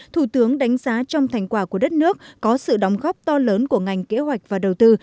thủ tướng đánh giá trong thành quả của đất nước có sự đóng góp to lớn của ngành kế hoạch và đầu tư